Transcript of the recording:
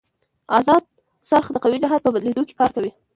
ازاد څرخ د قوې جهت په بدلېدو کې کار کوي.